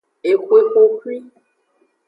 Exwe xoxwi.